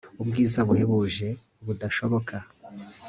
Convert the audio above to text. Ubwiza buhebuje budashoboka